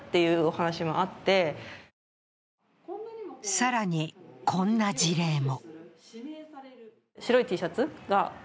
更に、こんな事例も。